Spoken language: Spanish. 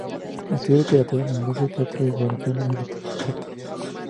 Estudió literatura inglesa, teatro y geografía en el Instituto St.